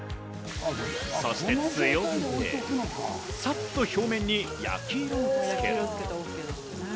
そして強火でサッと表面に焼き色をつける。